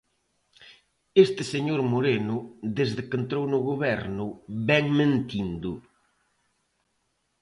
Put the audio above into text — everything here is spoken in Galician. Este señor Moreno desde que entrou no Goberno vén mentindo.